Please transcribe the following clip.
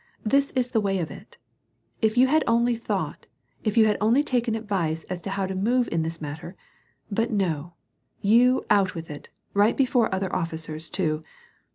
This is the way of it : if you had only thought, if you had Only taken advice as to how to move in this matter, but no ; you out with it, — right before other officers, too.